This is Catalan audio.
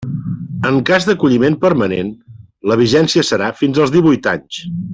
En cas d'acolliment permanent la vigència serà fins als díhuit anys.